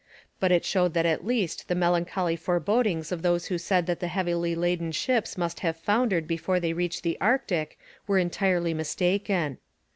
But it showed that at least the melancholy forebodings of those who said that the heavily laden ships must have foundered before they reached the Arctic were entirely mistaken.